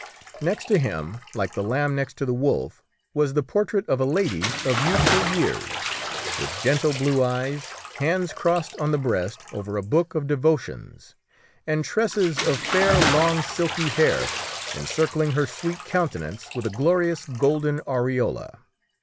Next to him, like the lamb next to the wolf, was the portrait of a lady of youthful years, with gentle blue eyes, hands crossed on the breast over a book of devotions, and tresses of fair long silky hair encircling her sweet countenance with a glorious golden aureola.